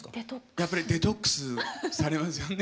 やっぱりデトックスされますよね？